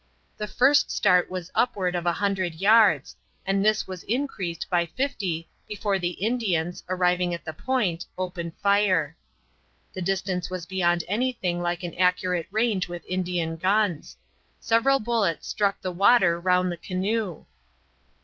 The first start was upward of a hundred yards, and this was increased by fifty before the Indians, arriving at the point, opened fire. The distance was beyond anything like an accurate range with Indian guns. Several bullets struck the water round the canoe.